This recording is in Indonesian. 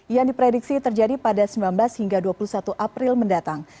yang diprediksi terjadi pada sembilan belas hingga dua puluh satu april mendatang